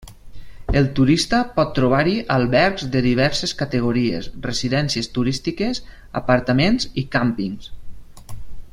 El turista pot trobar-hi albergs de diverses categories, residències turístiques, apartaments i càmpings.